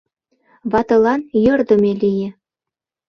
Ватылан йӧрдымӧ лие.